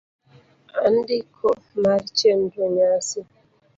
Andiko mar chenro nyasi: